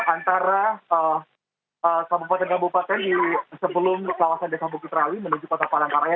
antara kabupaten kabupaten sebelum kawasan desa bukit rawi menuju kota palangkaraya